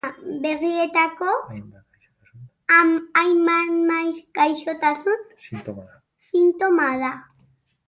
Begietako hainbat gaixotasunen sintoma da.